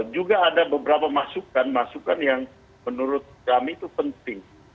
juga ada beberapa masukan masukan yang menurut kami itu penting